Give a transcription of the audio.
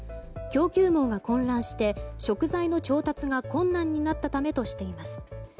供給網が混乱して食材の調達が困難になったためとしています。